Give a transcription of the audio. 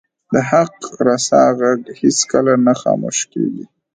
د حق رسا ږغ هیڅکله نه خاموش کیږي